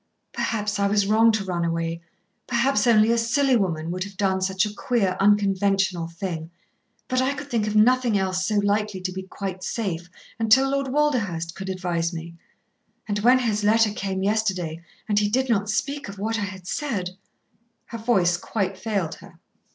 "Perhaps I was wrong to run away. Perhaps only a silly woman would have done such a queer, unconventional thing. But I could think of nothing else so likely to be quite safe, until Lord Walderhurst could advise me. And when his letter came yesterday, and he did not speak of what I had said " Her voice quite failed her.